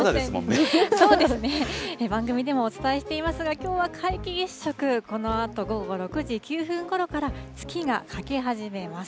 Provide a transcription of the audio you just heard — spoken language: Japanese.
番組でもお伝えしていますが、きょうは皆既月食、このあと午後６時９分ごろから、月が欠け始めま